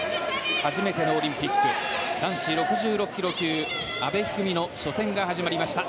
初めてのオリンピック男子６６ｋｇ級阿部一二三の初戦が始まりました。